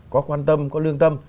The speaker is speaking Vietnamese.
có quan tâm có lương tâm